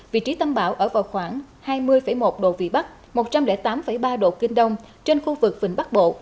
vị trí tâm bão ở vào khoảng hai mươi một độ vị bắc một trăm linh tám ba độ kinh đông trên khu vực vịnh bắc bộ